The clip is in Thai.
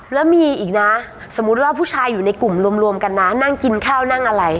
แล้วมีอีกนะสมมุติว่าผู้ชายอยู่ในกลุ่มรวมกันนะนั่งกินข้าวนั่งอะไร